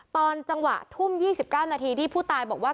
ตอนจังหวะทุ่ม๒๙นาทีที่ผู้ตายบอกว่า